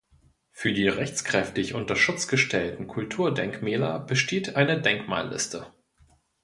Für die rechtskräftig unter Schutz gestellten Kulturdenkmäler besteht eine Denkmalliste.